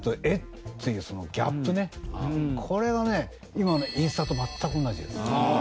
今のインスタと全く同じです。